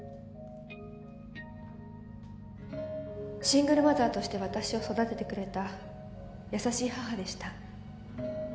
シングルマザーとして私を育ててくれた優しい母でした。